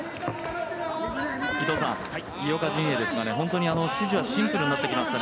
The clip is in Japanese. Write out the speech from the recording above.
井岡陣営ですが指示がシンプルになってきました。